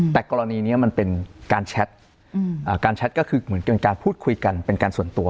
แต่กรณีนี้มันเป็นการแชทการแชทก็คือเหมือนเป็นการพูดคุยกันเป็นการส่วนตัว